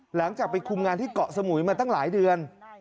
หลังจากไปคุมงานที่เกาะสมุยมาตั้งหลายเดือน